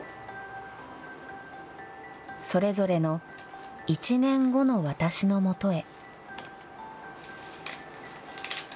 それぞれの１年後の私のもとへ。